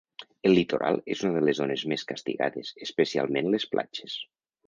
El litoral és una de les zones més castigades, especialment les platges.